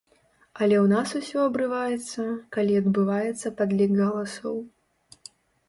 Але ў нас усё абрываецца, калі адбываецца падлік галасоў.